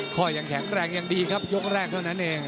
ข้อยังแข็งแรงยังดีครับยกแรกเท่านั้นเอง